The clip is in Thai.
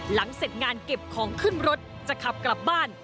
เสร็จงานเก็บของขึ้นรถจะขับกลับบ้าน